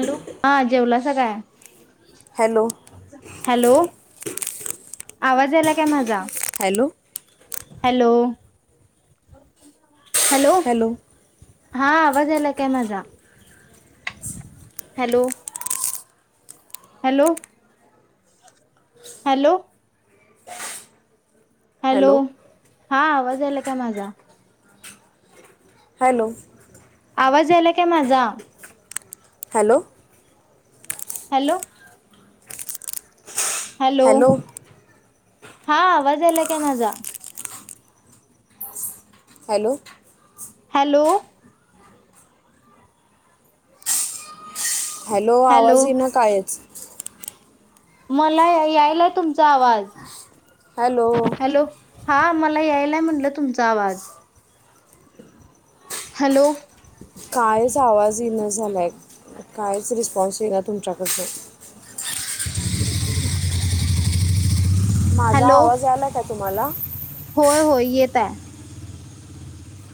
Hello हा जेवलसा काय हॅलो हॅलो. आवाज यायला काय माझा हॅलो हॅलो. हॅलो हा आवाज आला काय माझा? हॅलो. हॅलो. हॅलो. हॅलो हा आवाज यायला का माझा? हॅलो. आवाज यायला काय माझा? हॅलो. हॅलो हॅलो [inaudible] हा आवाज यायला काय माझा? हॅलो हॅलो हॅलो आवाज ये ना कायच. मला यायला तुमचा आवाज. हॅलो हॅलो हा मला यायला म्हटलं तुमचा आवाज. हॅलो कायच आवाज येईना झालाय. कायच रिस्पॉन्स येईना तुमच्याकडन. [inaudible] माझा हॅलो आवाज यायला का तुम्हाला? होय होय येत आहे.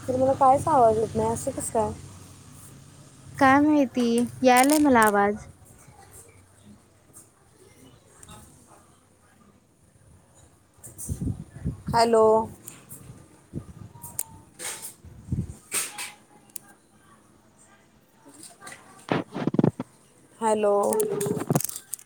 तरमला कायच आवाज येत नाही असं कस काय. काय माहिती यायलाय मला आवाज. Hello hello [inaudible]